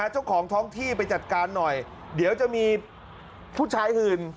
เจ้าของท้องที่ไปจัดการหน่อยเดี๋ยวจะมีผู้ชายอื่น